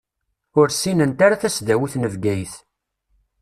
Ur ssinent ara tasdawit n Bgayet.